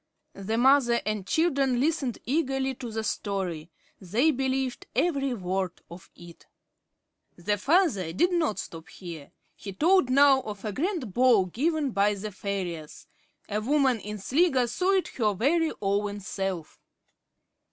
The mother and children listened eagerly to the story. They believed every word of it. The father did not stop here. He told now of a grand ball given by the fairies. A woman in Sligo saw it her very own self.